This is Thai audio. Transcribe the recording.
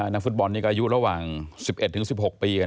นักฟุตบอลนี่ก็อายุระหว่าง๑๑๑๖ปี